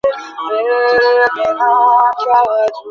কী বন্ধ করবো?